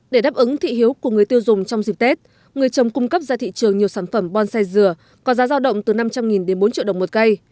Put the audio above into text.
để đáp ứng thị hiếu của người tiêu dùng trong dịp tết người trồng cung cấp ra thị trường nhiều sản phẩm bonsai dừa có giá giao động từ năm trăm linh đến bốn triệu đồng một cây